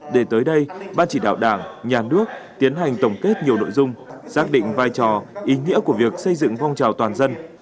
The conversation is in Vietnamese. để tới đây ban chỉ đạo đảng nhà nước tiến hành tổng kết nhiều nội dung xác định vai trò ý nghĩa của việc xây dựng phong trào toàn dân